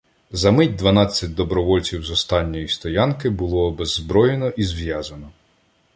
За мить дванадцять добровольців з останньої стоянки було обеззброєно і зв'язано.